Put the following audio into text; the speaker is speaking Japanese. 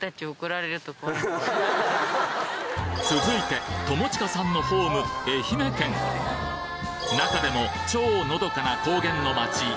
続いて友近さんのホーム中でも超のどかな高原の街